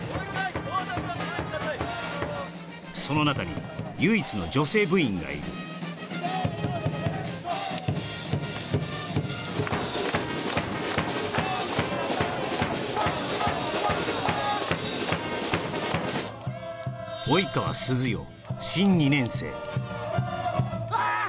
その中に唯一の女性部員がいる及川涼世新２年生ファッ！